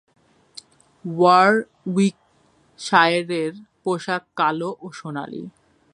ওয়ারউইকশায়ারের পোশাক কালো ও সোনালী।